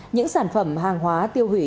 những sản phẩm hàng hóa tiêu hủy